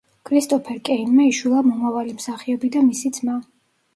კრისტოფერ კეინმა იშვილა მომავალი მსახიობი და მისი ძმა.